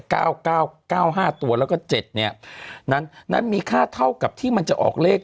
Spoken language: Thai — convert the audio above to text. เก้าเก้าเก้าห้าตัวแล้วก็เจ็ดเนี้ยนั้นนั้นมีค่าเท่ากับที่มันจะออกเลข